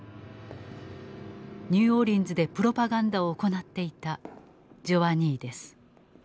ニューオリンズでプロパガンダを行っていたジョアニーデス。